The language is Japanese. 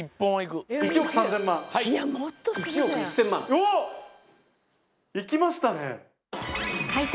おっ行きましたね！